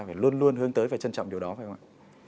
phải luôn luôn hướng tới và trân trọng điều đó phải không ạ